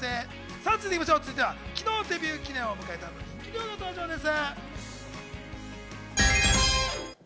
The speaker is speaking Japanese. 続いては、昨日デビュー記念を迎えたあの人気デュオが登場です。